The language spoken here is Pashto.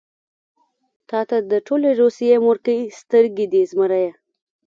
تاته د ټولې روسيې مورکۍ سترګې دي زمريه.